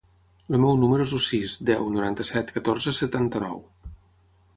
El meu número es el sis, deu, noranta-set, catorze, setanta-nou.